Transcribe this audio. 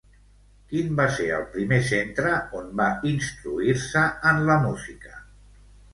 Quin va ser el primer centre on va instruir-se en la música?